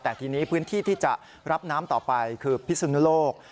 แต่ทีนี้พื้นที่ที่จะรับน้ำต่อไปคือพิสุนุโลก